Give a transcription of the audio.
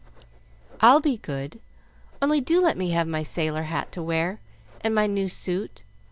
"I'll be good, only do let me have my sailor hat to wear, and my new suit.